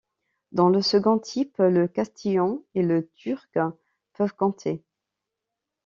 Dans le second type, le castillan et le turc peuvent compter.